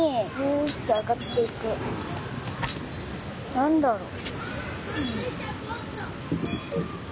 なんだろう？